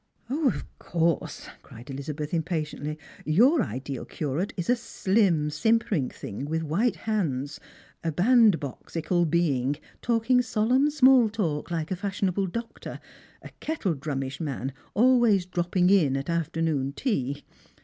" O, of course," cried Elizabeth impatiently. " Your ideal curate is a slim simpering thing with white hands — a bandbox ical being, talking solemn small talk like a fashionable doctor — a kettledrumish man, always dropping in at afternoon tea.